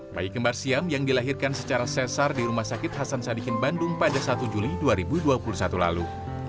bayi kembar siam yang dilahirkan secara sesar di rumah sakit hasan sadikin bandung pada satu juli dua ribu dua puluh satu lalu